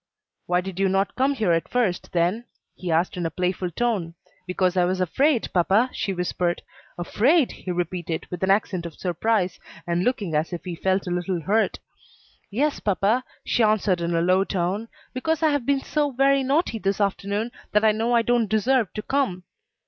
"Why did you not come at first, then?" he asked in a playful tone. "Because I was afraid, papa," she whispered, "Afraid!" he repeated, with an accent of surprise, and looking as if he felt a little hurt. "Yes, papa," she answered in a low tone, "because I have been so very naughty this afternoon that I know I don't deserve to come."